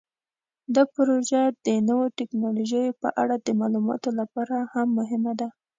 دا پروژه د نوو تکنالوژیو په اړه د معلوماتو لپاره هم مهمه ده.